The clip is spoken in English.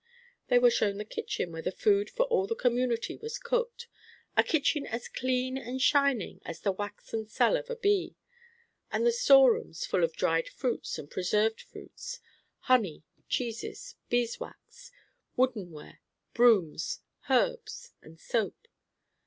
They were shown the kitchen where the food for all the community was cooked, a kitchen as clean and shining as the waxen cell of a bee, and the storerooms, full of dried fruits and preserved fruits, honey, cheeses, beeswax, wooden ware, brooms, herbs, and soap.